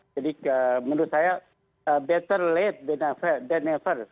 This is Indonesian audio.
jadi menurut saya better late than never